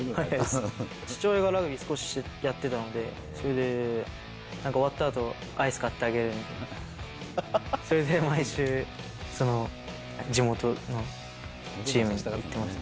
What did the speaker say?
父親がラグビー少しやってたので、それで、終わったあとアイス買ってあげるみたいな、それで毎週、地元のチームに行ってました。